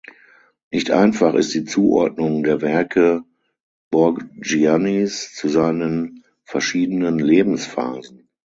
Nicht einfach ist die Zuordnung der Werke Borgiannis zu seinen verschiedenen Lebensphasen.